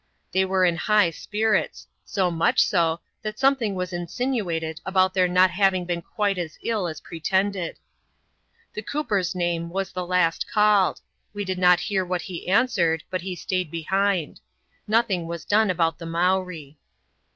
They were in high spirits ; so much 80, that something was insinuated about their not having been' quite as ill as pretended. The cooper's name was the last called ; we did not hear what he answered, but he stayed behind. Nothing was done about the Mowree.